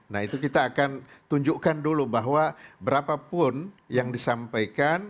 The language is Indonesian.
nah itu kita akan tunjukkan dulu bahwa berapapun yang disampaikan